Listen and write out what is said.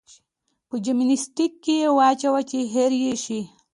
په جمناستيک کې يې واچوه چې هېر يې شي.